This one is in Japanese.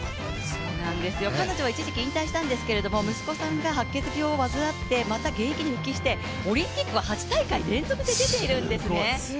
彼女は一時期引退したんですけど娘さんが白血病を患ってまた現役に復帰してオリンピックは８大会連続で出ているんですね。